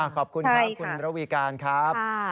ขอบคุณค่ะคุณระวีการณ์ครับใช่ค่ะ